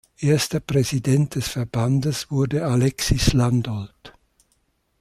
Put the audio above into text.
Erster Präsident des Verbandes wurde Alexis Landolt.